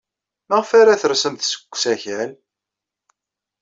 Maɣef ara tersemt seg usakal?